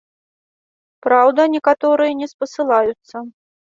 Праўда, некаторыя не спасылаюцца.